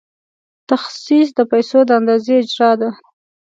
تخصیص د پیسو د اندازې اجرا ده.